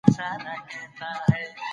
دا کار د دروغو ادعاوو مخنیوی کوي.